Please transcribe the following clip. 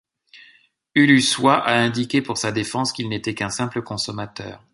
Ulusoy a indiqué pour sa défense qu'il n'était qu'un simple consommateur.